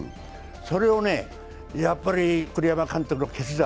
それをね、やっぱり栗山監督の決断